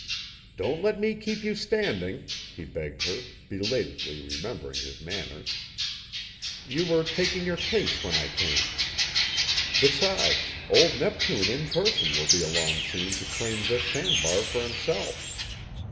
"Don't let me keep you standing," he begged her, belatedly remembering his manners. "You were taking your case when I came. Besides, Old Neptune in person will be along soon to claim this sandbar for himself.